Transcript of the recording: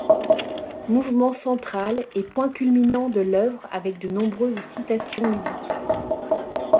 Mouvement central et point culminant de l'œuvre avec de nombreuses citations musicales.